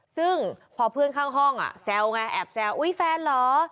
ซึ่งพอเพื่อนข้างห้องแซวไงแอบแซวอุ๊ยแฟนเหรอ